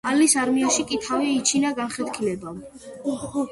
ალის არმიაში კი თავი იჩინა განხეთქილებამ.